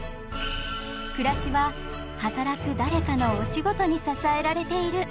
暮らしは働く誰かのお仕事に支えられている。